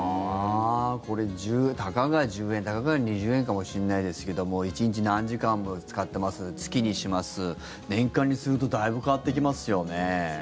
これ、たかが１０円たかが２０円かもしれないですけども１日何時間も使ってます月にします、年間にするとだいぶ変わってきますよね。